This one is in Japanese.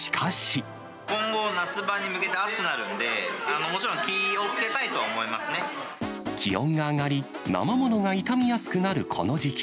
今後、夏場に向けて暑くなるんで、もちろん気をつけたいとは思いま気温が上がり、生ものが傷みやすくなるこの時期。